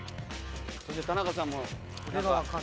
そして田中さんも。